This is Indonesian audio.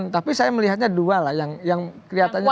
tapi saya melihatnya dua lah yang kelihatannya